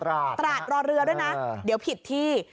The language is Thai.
ตราดรอเรือด้วยนะเดี๋ยวผิดที่